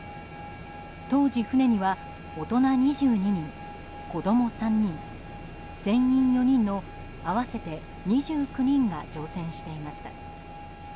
当時、船には大人２２人子供３人、船員４人の合わせて２９人が乗船していました。